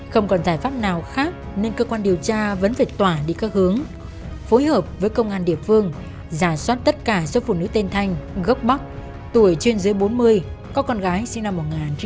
không còn giải pháp nào khác nên cơ quan điều tra vẫn phải tỏa đi các hướng phối hợp với công an địa phương giả soát tất cả số phụ nữ tên thanh gốc bắc tuổi trên dưới bốn mươi có con gái sinh năm một nghìn chín trăm tám mươi